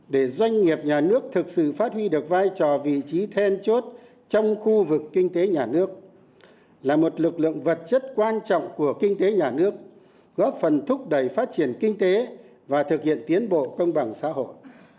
để doanh nghiệp nhà nước thực sự phát huy được vai trò vị trí then chốt trong khu vực kinh tế nhà nước là một lực lượng vật chất quan trọng của kinh tế nhà nước góp phần thúc đẩy phát triển kinh tế và thực hiện tiến bộ công bằng xã hội